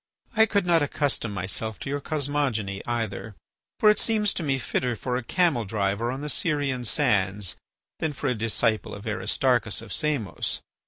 I could not accustom myself to your cosmogony either, for it seems to me fitter for a camel driver on the Syrian sands than for a disciple of Aristarchus of Samos.